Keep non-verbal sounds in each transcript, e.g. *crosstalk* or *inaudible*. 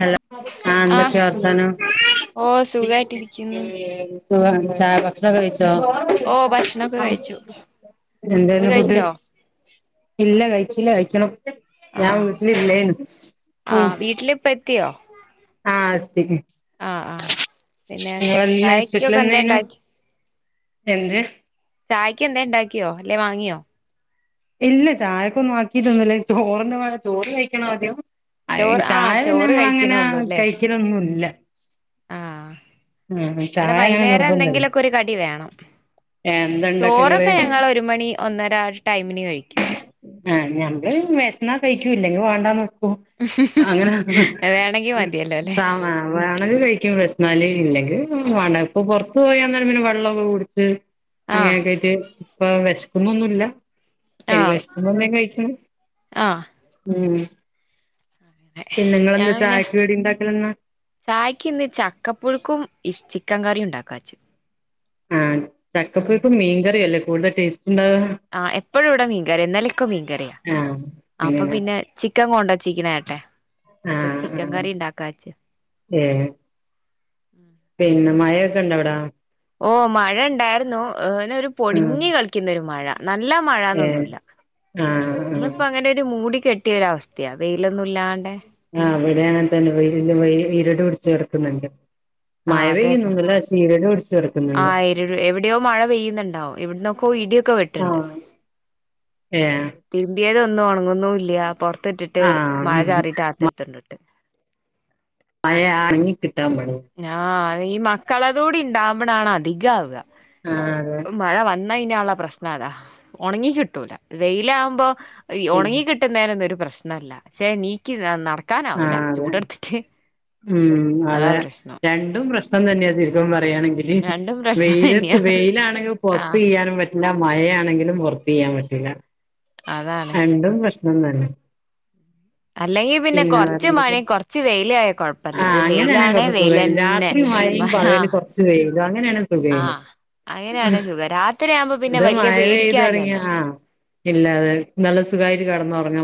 Hello ആ ന്തക്കെ ആഹ് വർത്താനം ഓ സുഖായിട്ടിരിക്കുന്നു *unintelligible* ചായ ഭക്ഷണം കഴി ഓ ഭക്ഷണോക്കെ കഴിച്ചു ങ്ങള് എന്തായിരുന്നു ഫുഡ് കഴിച്ചോ ഇല്ല കഴിച്ചില്ല കഴിക്കണം ഞാൻ ആഹ് വീട്ടിലില്ലേനു ഉം ത്തിയോ ആ എത്തി പിന്നെ ഇന്നേ സ്പെഷ്യൽ ചായക്കൊക്കെ എന്താ എന്തായിനു ഇണ്ടാക്കി എന്ത് ചായക്ക് എന്തേ ഇണ്ടാക്കിയോ അല്ലെ വാങ്ങിയോ ഇല്ല ചായക്കൊന്നും ആക്കിട്ടൊന്നുല്ല ചോറെന്നെ ഇവ *unintelligible* ചോറ് കഴിക്കണോ ആദ്യം അയ് ചോറ് ആഹ് ചായ പിന്നെ ചോറ് നമ്മളങ്ങനെ കഴിക്കണള്ളൂ അല്ലേ കഴിക്കലൊന്നുല്ല ഉം ഇവടെ ചായ അങ്ങനെ വൈന്നേരം നിർബന്ധല്ല എന്തെങ്കിലൊക്കെ ഒരു കടി വേണം, എന്താ ഇണ്ടാക്ക ചോറൊക്കെ ഇങ്ങള് ഞങ്ങൾ ഒരു മണി ഒന്നര ടൈമിന് കഴി ക്യു ആഹ് ഞമ്മള് വെശന്നാ കഴിക്കൂ ഇല്ലെങ്കി വേണ്ടാന്ന് വെ ക്കും അങ്ങനെ വേണെങ്കി മതിയല്ലോ അല്ലെ *unintelligible* *unintelligible* കഴിക്കും വെശ്ന്നാല് ഇല്ലെങ്കി മണ ഇപ്പൊ പൊറത്ത് പോയി വന്നാ പിന്നെ വെള്ളോക്കെ കുടിച്ച് ആഹ് അങ്ങനൊക്കെ ആയിട്ട് ഇപ്പ വെശക്കുന്നൊന്നുല്ല എനി ആഹ് വെശ്ക്കുമ്പോ എന്തേലും കഴിക്കും ആഹ് ഉം പിന്നെ *unintelligible* ഞാൻ നിങ്ങളെന്താ പിന്നെ ചായക്ക് കടി ഇണ്ടാക്കലെന്നാ ചായ്ക്ക് ഇന്ന് ചക്കപ്പുഴുക്കും ഇഷ് ചി ക്കൻ കറിയും ഉണ്ടാക്കാച്ച് ആഹ് ചക്കപുഴുക്കും മീൻകറിയല്ലേ കൂടുതൽ ടേസ് ആ എപ്പോഴും ഇവിടെ മീൻകറിയാ ഇന്നലെയൊക്കെ മീൻകറിയാ ആഹ് അപ്പൊ അങ്ങനെ പിന്നെ ചിക്കൻകൊണ്ടെ ച്ചിരിക്കുന്നു ഏട്ടൻ ആ ഏ പിന്നെ മഴയൊക്കെ ഒണ്ടോ അവിടെ ഓ മഴ ഉണ്ടായിരുന്നു ഓനൊരു ആഹ് പൊടിഞ്ഞ് കളിക്കൊന്നൊരു മഴ നല്ല ഏഹ് മഴാനൊന്നുവില്ല ആഹ് ആഹ് ഇന്നിപ്പോ അങ്ങനെയൊരു മൂടി കെട്ടിയ ഒരവസ്ഥയാ വെയിലൊന്നും ഇല്ലാണ്ട് ആ ഇവിടെയും അങ്ങനെ തന്നെ വെയിലില്ല ഇരുണ്ട് പിടിച്ച് കിടക്കുവാ കിട്ടുന്നുണ്ട് ങാ അതേന്നെ പിടിച്ച് ങാ കെടക്കുന്നുണ്ട് എവിടെയോ മഴ പെയ്യുന്നുണ്ടാവും ഇവിടന്ന് *unintelligible* ആഹ് ഏഹ് ഉണകുന്നുമില്ല മുറ്റത്തിട്ട് ആഹ് മഴ ആറീട്ട് അകത്ത് എടുത്തോണ്ടിട്ടു *unintelligible* *unintelligible* ഈ മക്കളതൂടി ഉണ്ടാകുമ്പതാണ് അധികമാവുക മഴ ആഹ് അതെ വന്ന് മഴ വന്നാലുള്ള പ്രശ്നം അതാ ഒണങ്ങി കിട്ടൂല വെയിലാകുമ്പോ ഒണങ്ങി കിട്ടുന്നേനൊന്നും ഒരു പ്രശ്നമി പ്രശ്നമല്ല അതെ ഉം അതാ അതെ പ്രശ്നം രണ്ടും പ്രശ്നം തന്നെയാരിക്കും ചുരുക്കം പറഞ്ഞാൽ രണ്ടും പ്രശ്നം തന്നെയാ *unintelligible* വെയിലാണെങ്കിൽ പുറത്ത് ആഹ് ചെയ്യാനും പറ്റില്ല മഴയാണെങ്കിലും പുറത്ത് ചെയ്യാൻ പറ്റില്ല അതാണ് രണ്ടും പ്രശ്നം തന്നെ ഉം അല്ലെങ്കിൽപിന്നെ കൊറച്ച് മഴ കൊറച്ച് വെയില് ആയാൽ കുഴപ്പമില്ല ഇത് ആഹ് അങ്ങനെയാണെ വെയിലാണേ കൊറച്ച് വെയിൽ സുഖായിരുന്നു തന്നെ അങ്ങനെയാണേ സുഖമാണ് സുഖം രാത്രിയാകുമ്പോ പിന്നെ ഇത് വലിയ മഴപെയ്തു പേടിക്കാനില്ലല്ലോ തുടങ്ങിയാൽ സുഖമായിട്ട് കിടന്നുറങ്ങാം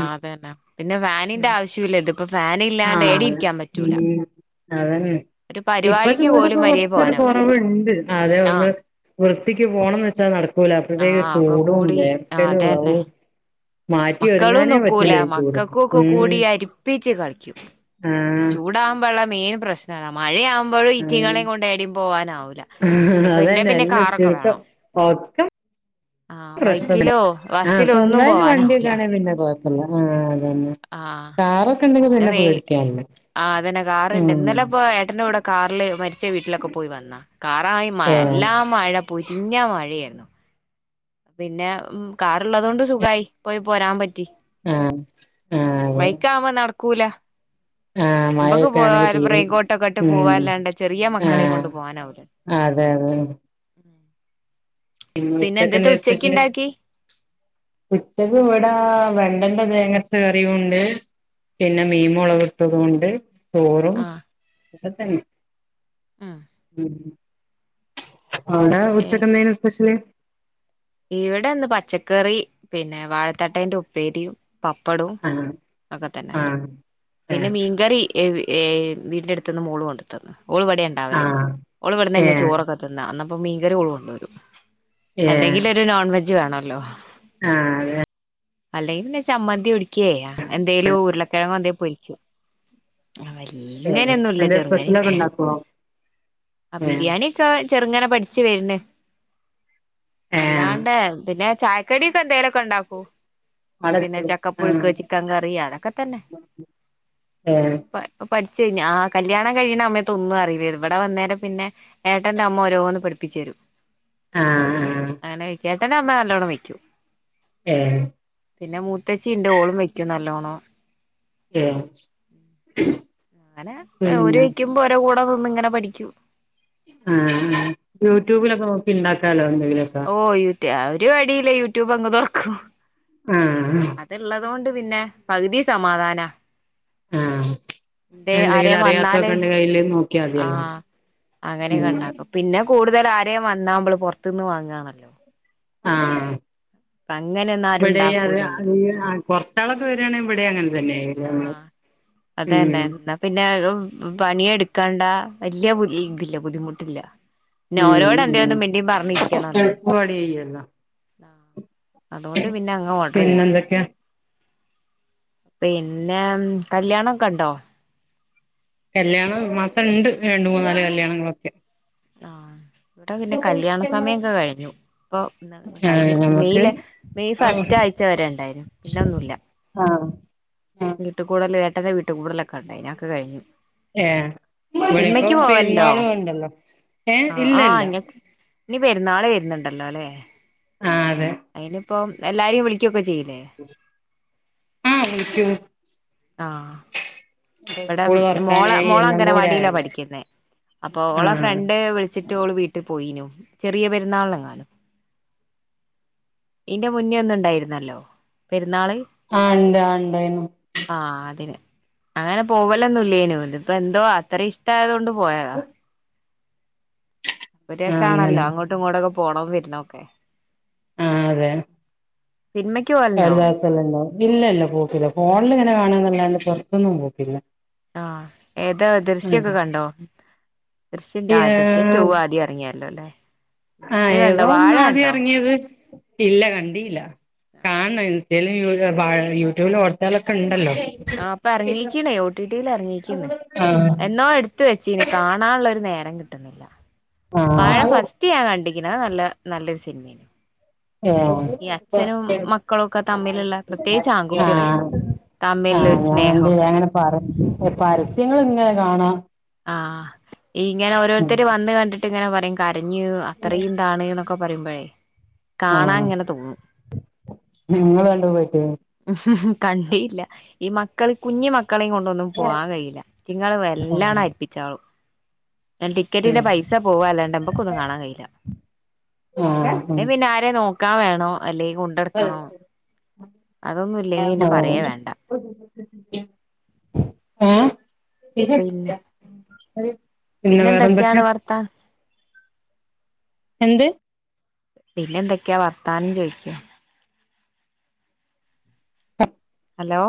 ആഹ് അതന്നെ പിന്നെ ഫാനിന്റെ ആവശ്യമില്ല ഇതിപ്പോ ഫാൻ ഇല്ലാണ്ട് ഏടെ ഇരിക്കാൻ പറ്റൂല ഒരു പരിപാടിക്ക് പോലും മര്യാദക്ക് പോകാനാവൂല ആഹ് ധിക്ക് പോണംന്ന് വെച്ചാ നട ക്കൂല അപ്പഴത്തേക്ക് ആഹ് ഒക്കെ ചൂടും കൂടി ആഹ് വേർക്കലും അതന്നെ മാറ്റി മക്കളും ഒരുങ്ങാനേ നോക്കൂല പറ്റില്ല ഈ ചൂടത്ത് മക്കൾക്കുംക്കെ ഉം കൂടി അരിപ്പിച്ച് കളിക്കും ആഹ് ചൂടാമ്പെള്ള മെയിൻ പ്രശ്നം മഴയാ മ്പോഴും ആഹ് ഇതിങ്ങളെയും കൊണ്ട് ഏടേം പോവാനാവൂല്ല എക്ക് അതന്നെ പിന്നെ എല്ലാം കാറൊക്കെ ചുരുക്കം വേണം ഒക്കെ ആ ബൈക്കിലോ ബസ്സിലോ ഒന്നും പോവാനാ ഗണ പിന്ന ഗോ *unintelligible* ആ *unintelligible* പേടിക്കാനില്ല ആ അതന്നെ ഉം കാറിണ്ട് ഇന്നലെ ഇപ്പൊ ഏട്ടന്റെ കൂടെ കാറില് മരി ഏറെ വീട്ടിലൊക്കെ പോയി വന്ന കാറായി മഴ ആഹ് എല്ലാം മഴ പൊരിഞ്ഞ മഴയാ പിന്നെ ഉം കാറുള്ളതോണ്ട് സുഖായി പോയി പോരാൻ പറ്റ് ആ ആ അതെ ക്കൂല ആ മയയൊക്കെ ആണെങ്കിൽ തീരും റെയിൻകോട്ടൊക്കെ ഇട്ട് ഉം പോവാല്ലാണ്ട് ചെറിയ ആ മക്കളെയും കൊണ്ട് പോവാനാവൂല അതെഅതെ. *unintelligible* പിന്നെ എന്തേത്ത ഉച്ചക്ക് ഇണ്ടാക്കി ഉച്ചക്ക് ഇവിടാ വെ വെണ്ട വേങ്ങത്തു കറിയും ഉണ്ട് പിന്നെ മീൻ മുളകിട്ടതും ഉണ്ട് - ചോറും ആഹ് അതന്നെ. ഉം അവിടെ ഉച്ചക്കെന്തേനു? *unintelligible* ഇവിടെന്ത്‌ പച്ചക്കറി പിന്നെ വാഴത്തട്ടേന്റെ ഉപ്പേരിയും പപ്പടവും ആഹ് ഒക്കെത്തന്നെ ആഹ് പിന്നെ ഏഹ് മീൻകറി. എവി എവിന്തെടുത്തുന്നു മോളു കൊണ്ടത്തന്ന് ഓളിവിടെയാ ഇണ്ടാവല് ആഹ് ഓളിവിടുന്നന്നെയാ ഏഹ് ചോറൊക്കെ തിന്നാ അപ്പം മീൻ കറി ഓളുകൊണ്ടന്നു എന്തെങ്കിലൊരു നോൺ വെ ജി വേണല്ലോ ആ അതെ അല്ലെങ്കി പിന്നെ ചമ്മന്തി ഒടിക്കയായ എന്തേലും ഉരുളക്കിഴങ്ങോ എന്തേ ഏഹ് ഇങ്ങനെയൊന്നുമില്ല എന്തേ സ്പെഷ്യലൊക്കെ ചെറുങ്ങാനൊക്കെ ഉണ്ടാക്കോ ആ ഏഹ് ബിരിയാണി ഒക്കെ ചെറുങ്ങനെ പഠിച്ചു വരണ് ഏഹ് അല്ലാണ്ട് പിന്നെ ചായക്കടി ഒക്കെന്തേലൊക്കെ ഉണ്ടാക്കും അവിടെ പിന്നെ ആഹ് ചക്കപ്പുഴുക്ക് ചിക്കൻ കറി അതൊക്കെ തന്നെ ഏഹ് പ്പ പഠിച്ച കഴിഞ്ഞ് ആ കല്യാണം കഴിയണ സമയതൊന്നും അറില്ലാരുന്നു ഇവിടെ വന്നേരം പിന്നെ ഏട്ടന്റെ അമ്മ ഓരോന്ന് പഠിപ്പിച്ചുരും ആഹ് ആഹ് എൻ്റെ അമ്മ നല്ലോണ്ണം വക്കും ഏഹ് പിന്നെ മൂത്തേച്ചി ഉണ്ട് ഓളും വെക്കും നല്ലോണം ആ ഏ അങ്ങനെ ഓര് കഴിക്കുമ്പോ ഓരോ കൂടെ നിന്ന് ഇങ്ങനെ പഠിക്കും ആ യൂട്യൂബിലൊക്കെ നോ ക്കി ഉണ്ടാക്കാലോ അല്ലേ എന്ത് രസാ രാ ഒരു വഴിയില്ലേ യൂട്യൂബ് അങ്ങ് താെർക്കും ആഹ് അത്ള്ളതോണ്ട് പിന്നെ പക് തി സമാധാനാ ആ എ ആരേം വന്നാല് നോക്കിയാ ആ മതിയല്ലോ ഉം അങ്ങനെക്കെണ്ടാക്കും പിന്നെ കൂട്തല് ആരേം വന്നാമ്മള് പൊർത്ത്ന്ന് വാങ്ങാണല്ലോ ആ അങ്ങനെയൊന്നും ആരും ബ്ടെ ഈ അത് ഉണ്ടാക്കൂലല്ലോ അ കൊർച്ചാളൊക്കെ വരാണെ വ്ടെ അങ്ങൻതന്നെ *unintelligible* തന്നേ ന്നാ പിന്നെ പണി എട്ക്കെണ്ട വല്യ ബു ഈ തില്ല ബുദ്ധിമുട്ട്ല്ല ഉം ഉം എൾപ്പ പണിയ്യല്ലോ ആഹ് അതുകൊണ്ട് പിന്നെ അങ്ങ് ഓർഡർ പിന്നെ ചെയും എന്തൊക്കെയാ പിന്നെ കല്യാണം കണ്ടോ കല്യാണം ഈ മാസംണ്ട് രണ്ട് മൂന്ന് നാല് കല്യാണങ്ങളൊക്കെ ആഹ് വടെ പിന്നെ കല്യാണ സമയൊക്കെ കഴിഞ്ഞു ഇപ്പൊ ആഹ് കഴിഞ്ഞു നമുക്ക് മെയ്ല് മെയ് ആഹ് ഫസ്റ്റ് ആഴ്ചവരെ ണ്ടായിരുന്നു പിന്നൊന്നുല്ല ആഹ് ആഹ് വീട്ട് കൂടല് *unintelligible* വീട്ട് കൂടുലൊക്കെണ്ടായിനി അതൊക്കെ കഴിഞ്ഞു ഏഹ് ബടപ്പം സിനിമയ്ക്ക് പോവലുണ്ടോ പെരുന്നാളുണ്ടല്ലോ ആഹ് ആഹ് ലെ നി പെരുന്നാള് വരുന്നുണ്ടല്ലോ ല്ലേ ആ അതെ പ്പം എല്ലാരിം വിളിയ്ക്കൊക്കെ ചെയ്യും ആഹ് വിളിയ്ക്കും ആഹ് വിടെ മോള തുറക്കാനായി മോള എല്ലാം കൂടെ അങ്കനവാടിയിലാ ആയല്ലോ പഠിക്കുന്നേ അപ്പൊ ആ ഓളെ ഫ്രണ്ട് വിളിച്ചിട്ട് ഓള് വീട്ട് പോയിനു ചെറിയ പെരുന്നാള് നെങ്ങാനും ഇന്റെ മുന്നേ ഒന്ന്ണ്ടായിരുന്നല്ലോ പെരു ആഹ് ണ്ട് ആ ണ്ടായിനു ആഹ് അതിന് അങ്ങനെ പോവലൊന്നുല്ലേനു ഇതിപ്പ ന്തോ അത്ര ഇഷ്ടയതോണ്ട് പോയതാ പ്പൊ ആ അങ്ങനെ രസാണല്ലോ അങ്ങോട്ടും ങ്ങോട്ടൊ പോണതും വര്ണൊക്കെ ആഹ് അതെ സിനിമക്ക് പോവലുണ്ടോ രു ദെവസല്ലല്ലോ ഇല്ലല്ല പോക്കില്ല ഫോണ്ല്ങ്ങനെ ങ്ങനെ കാണന്നല്ലാതെ പൊറ്ത്തൊന്നും പോക്കില്ല ആഹ് ഏതാ ദൃശ്യൊക്കെ കണ്ടോ ദൃശ്യം ആ ദൃശ്യം ടു ആദ്യം റങ്ങിയ ല്ലല്ലേ ആഹ് ഏതോന്ന് ആദ്യറങ്ങിയത് ഇല്ല കണ്ടീല്ല കാണ് *unintelligible* യൂട്യൂബിലും ഹോട്‌സ്റ്റാറിലൊക്കെ ണ്ടല്ലോ ആ പ്പൊ റങ്ങിക്ക്ണേ ഒടിടില് ഇറങ്ങിക്ക്ന്ന് ആ എന്നോ എടുത്ത് വെച്ചിന് കാണാള്ളൊരു നേ കിട്ടുന്നില്ല വാഴ ആഹ് ഫസ്റ്റ് ഞാൻ കണ്ടി ഇതാ നല്ല നല്ലൊരു സിനിമാണ് ഓ ആഹ് ആഹ് ഒക്കെ തമ്മിലുള്ള ഞൻ പ്രത്യേകിച്ച് കണ്ട് ഞാ ആൺകുട്ടികള് തമ്മിലുള്ള ഒരു സ്നേഹമൊക്കെ ങ്ങനെ പറ പരസ്യങ്ങള് ങ്ങനെ കാണാ ആഹ് ഇങ്ങനെ ഓരോരുത്തര് വന്ന് കണ്ടി ഇങ്ങനെ പറീം ക ഞ് അത്രയും താണ് നൊ ഒക്കെ പറയുമ്പഴേ കാണാൻ ആഹ് ഇങ്ങനെ തോന്നും നിങ്ങള് കണ്ടു പോയിട്ട് കണ്ടില്ല ഈ മക്കൾ കുഞ്ഞി മ മക്കളേം കൊണ്ടൊന്നും പോവാൻ കഴിയില്ല ഇറ്റങ്ങള് വല്ലാ ആഹ് *inaudible* ഞാൻ ടിക്കറ്റിന്റെ പൈസ പോവ അല്ലാണ്ട് നമ്മക്കൊന്നും കാണാൻ കഴിയില്ല ആഹ് അല്ലെ ഉം പിന്നെ ആരെ നോ ക്കാ വേണോ അല്ലെങ്കിൽ കൊണ്ടട്ക്കണം അതൊന്നുല്ലെങ്കി പിന്നെ പറയേ വേണ്ട ഏ എ പിന്നെ *unintelligible* അതെ പിന്നെ എന്തൊക്കെയാണ് വേറെന്തൊക്കെയാ? വർത്താൻ എന്ത്? പിന്നെന്തൊക്കെയാ വർത്താനം ചോയിക്കാ അ *unintelligible* ഹലോ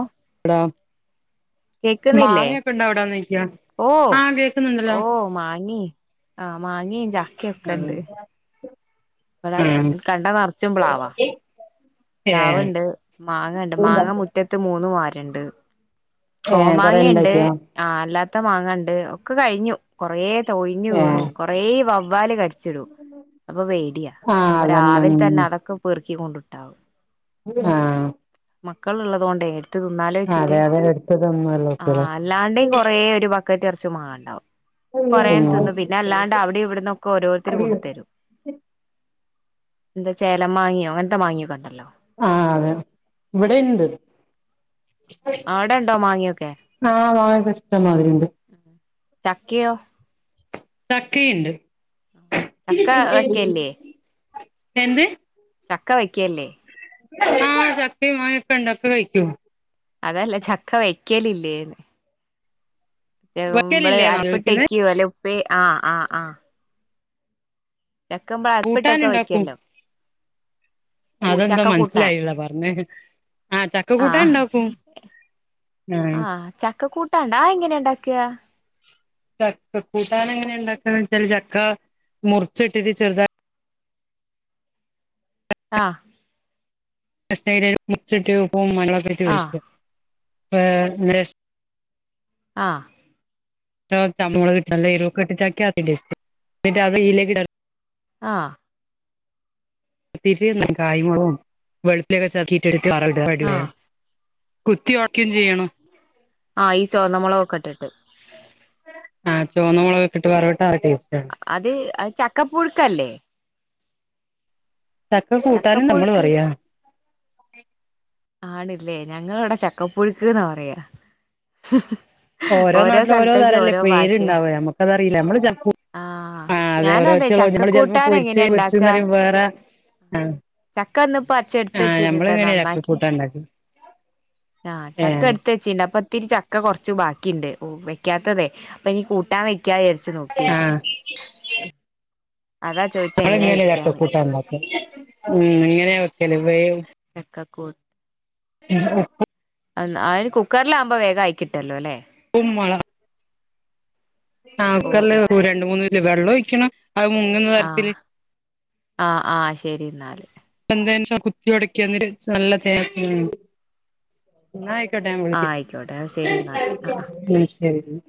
ആഹ് കേക്കുന്നില്ലേ മാങ്ങായൊക്കെ ഉണ്ടോ അവിടാന്ന് ചോയ്ക്ക ഓ ആഹ് കേക്കുന്നുണ്ടല്ലോ ആഹ് മാങ്ങയി ആഹ് ചക്കയൊക്കെണ്ട് ഇവിടം ആഹ് കണ്ടം നറച്ചും പ്ലാവാ പ്ലാവ് ഏഹ് ഇണ്ട് മാങ്ങണ്ട് മാങ്ങ മുറ്റത്ത് മൂന്ന് മര രണ്ട് ഏഹ് കൊറേ കോമാങ്ങയിണ്ട് ഇണ്ടായിക്ക്യോ ആ അല്ലാ ത്ത മാങ്ങണ്ട് ഒക്കെ കഴിഞ്ഞു കൊറേ കൊഴിഞ്ഞു വീണു ഏഹ് കൊറേ വവ് വാല് ക ച്ചിടും അപ്പൊ വേടിയാ ആഹ് അപ്പൊ അതന്നെ രാവിലെ ഉം തന്നെ അതൊക്കെ പെർ ക്കൊണ്ടുട്ടാവും ആഹ് മക്കൾ ഉള്ളതുകൊണ്ടേ തിന്നാലോ വെച്ചിട്ട് അതെ അതെ എടുത്തതൊന്നുമല്ല ആ കുട്ടികളെ അല്ലാണ്ടേം കൊറേ ഒരു ബക്കറ്റ് നറച്ചു മാങ്ങണ്ടാവും കൊറയങ്ങ് തിന്നു പിന്നെ അല്ലാണ്ട് അവിടെ ഇവിടുന്നൊക്കെ ഓരോരുത്തര് കൊണ്ടു തരും എന്താ ചേലം മാങ്ങയോ അങ്ങനത്തെ മാങ്ങയൊക്കെണ്ടല്ലോ ആ അതെ ഇവിടെ ഇണ്ട് അവിടെ ഉണ്ടോ മാങ്ങയൊക്കെ ആ മാങ്ങക്കെ ഇഷ്ടം മാതിരി ഉണ്ട് ചക്കയോ? ചക്കയുണ്ട് ചക്ക വയ്ക്കില്ലേ എന്ത്? ചക്ക വയ്ക്കേല്ലേ ആ ചക്കയും മാങ്ങയും ഒക്കെണ്ട് ഒക്കെ വെയ്ക്കും അതല്ല ചക്ക വയ്ക്കലില്ലേന്ന് വേവുമ്പള് വെക്കലില്ലേന്നാ അരപ്പിട്ട് ചോദിക്കുന്നെ വയ്ക്ക്വാേ അല്ലെ പേ ആ ആ ആ ചക്കമ്മള് അരപ്പിട്ടൊക്കെ കൂട്ടാന്ണ്ടാക്കും വെക്കുവല്ലോ അതെന്താ ചക്ക കൂട്ടാൻ മൻസ്സിലായില്ല പറഞ്ഞേ ആ ചക്ക കൂട്ടാൻണ്ടാക്കും ആ ആഹ് ചക്കക്കൂട്ടാണ്ട അത് എങ്ങനെയാ ഉണ്ടാക്കുക ചക്ക കൂട്ടാനെങ്ങെനാണ്ടാക്കാന്നെച്ചാല് ച ക്ക മുറിച്ചിത്തിരി ചെറുതാ ആ കഷ്ണം അയ്ല് മുറിച്ചിട്ടും ഓ ആഹ് *unintelligible* വെച്ച് ഏ ആ ആ നമ്മള് നല്ല എരുവൊക്കെയിട്ട് ചക്കയാക്കിലെ എന്നിട്ട് അത് ഇലേക്ക് ഇടാ ആ *unintelligible* കായും മൊളകും വെളുത്തുള്ളി ഒക്കെ ചേർത്തിട്ട് ആഹ് *unintelligible* കുത്തിയൊടക്കിം ചെയ്യണം ആ ഈ ചൊവന്ന മുളകൊക്കെ ഇട്ടിട്ട് ആ ചൊമന്ന മുളക് ഇട്ട് വറവ് അത് അത് ചക്കപ്പുഴുക്കല്ലേ ചക്ക കൂട്ടാന് നമ്മള് ചക്കപ്പുഴുക്ക് പറയാ ആണില്ലേ ഞങ്ങള് ഇവിടെ ചക്കപ്പുഴുക്ക്ന്ന പറയാ ഓരോ നാട്ടിലും ഓരോ തരംല്ലേ പേരുണ്ടാവ നമ്മുക്കതറിയില്ല നമ്മള് ച ആഹ് ആ അതെ ഞാനതെ ഓരോരുത്ത നമ്മള് ചെലപ്പോ ചക്കക്കൂട്ടാൻ പൊരിച്ച് എങ്ങനെയാ പൊരിച്ചെന്ന് ഉണ്ടാക്കുക പറയുമ്പോ വേറെ ആ ചക്ക ഇന്നിപ്പോ അച്ച എടുത്ത് ആ നമ്മൾ വെച്ചിട്ടുണ്ട് ഇങ്ങനെയാ നന്നാക്കി ചക്കകൂട്ടാൻ ഉണ്ടാക്കല് ആഹ് ഏ ചക്ക എട്ത്തേച്ചിണ്ടപ്പത് ഇത്തിരി ചക്ക കൊറ്ച്ച് ബാക്കിണ്ട് ഓ വെക്ക്യാത്തതെ അപ്പെനി കൂട്ടാൻ വ ക്യായാര്ച്ചു നോക്കീനി അഎങ്ങനെ ചക്കകൂട്ടാണ്ടാക്ക കക്കോട്ട് ഇല്ലഉപ്പ് അല്ല അയ് കുക്കറ്ലാവ്മ്പം വേഗാ യിക്കിട്ടല്ലോലെ ഉമ്മള ഓ ആക്കല്ല ഓ രണ്ട് മൂന്ന് ഇല്ല വെള്ളോഴിക്കണം അത് മുങ്ങ്ന്ന ആഹ് തരത്തില് ആഹ് ആഹ് ശരി ഇന്നാൽ *unintelligible* കുത്തിയൊടക്കാ *unintelligible* ന്നാ അയി ക്കോട്ടെ ഞാൻ ആഹ് വിളിക്കാം ആയിക്കോട്ടെ ശരി എന്നാല് ആഹ് ഉം ശരി ന്നാ.